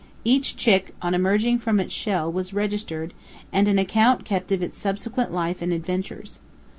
Each chick, on emerging from its shell, was registered, and an account kept of its subsequent life and adventures.